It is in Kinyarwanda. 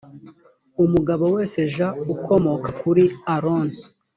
umugabo wese j ukomoka kuri aroni